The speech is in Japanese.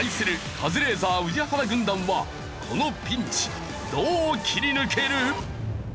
カズレーザー＆宇治原軍団はこのピンチどう切り抜ける！？